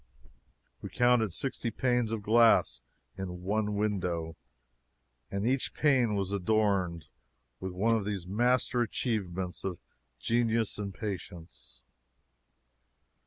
We counted sixty panes of glass in one window, and each pane was adorned with one of these master achievements of genius and patience.